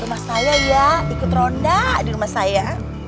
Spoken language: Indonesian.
rumah saya ya ikut ronda di rumah saya